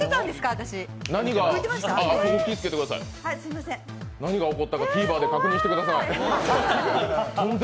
私何が起こったかＴＶｅｒで確認してください。